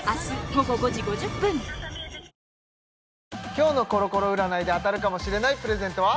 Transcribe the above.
今日のコロコロ占いで当たるかもしれないプレゼントは？